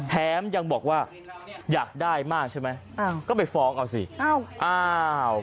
แถมยังบอกว่าอยากได้มากใช่ไหมอ้าวก็ไปฟ้องเอาสิอ้าวอ้าวอ้าว